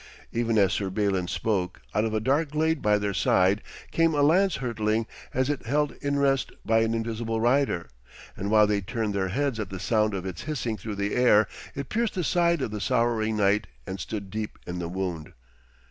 Even as Sir Balin spoke, out of a dark glade by their side came a lance hurtling, as if held in rest by an invisible rider, and while they turned their heads at the sound of its hissing through the air, it pierced the side of the sorrowing knight and stood deep in the wound.